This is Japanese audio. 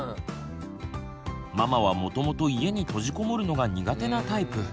ママはもともと家に閉じこもるのが苦手なタイプ。